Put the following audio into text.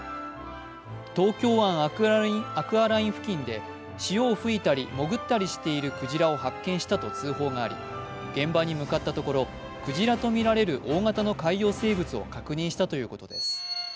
東京湾アクアライン付近で潮を吹いたり潜ったりしているクジラを発見したと通報があり、現場に向かったところ、クジラとみられる大型の海洋生物を確認したということです。